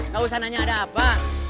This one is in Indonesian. gak usah nanya ada apa